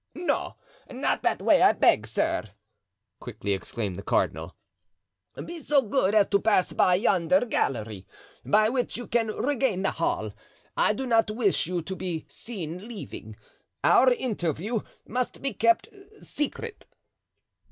"No, not that way, I beg, sir," quickly exclaimed the cardinal, "be so good as to pass by yonder gallery, by which you can regain the hall. I do not wish you to be seen leaving; our interview must be kept secret."